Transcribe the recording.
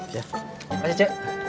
terima kasih ce